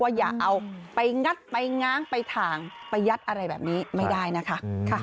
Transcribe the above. อย่าเอาไปงัดไปง้างไปถ่างไปยัดอะไรแบบนี้ไม่ได้นะคะ